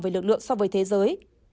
về lực lượng so với thế giới